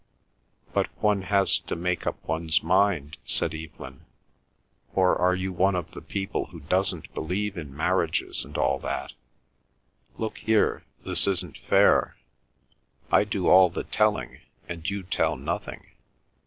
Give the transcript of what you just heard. "But one has to make up one's mind," said Evelyn. "Or are you one of the people who doesn't believe in marriages and all that? Look here—this isn't fair, I do all the telling, and you tell nothing.